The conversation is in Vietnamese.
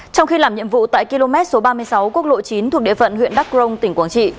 trong khi làm nhiệm vụ tại km số ba mươi sáu quốc lộ chín thuộc địa phận huyện đắc rông tỉnh quảng trị